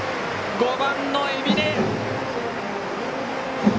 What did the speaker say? ５番の海老根！